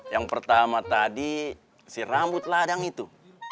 yang pertama tadi si rambut ladang itu